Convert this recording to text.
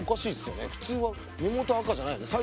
普通は根元赤じゃないよね。